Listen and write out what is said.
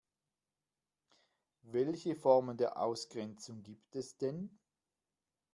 Welche Formen der Ausgrenzung gibt es denn?